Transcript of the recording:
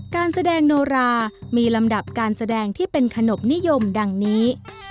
การแสดงโนรามีลำดับการแสดงที่เป็นขนบนิยมดังนี้